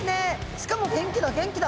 しかも元気だ元気だ。